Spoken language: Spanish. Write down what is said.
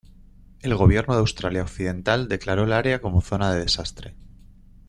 El gobierno de Australia Occidental declaró el área como zona de desastre.